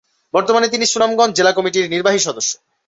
বর্তমানে তিনি সুনামগঞ্জ জেলা কমিটির নির্বাহী সদস্য।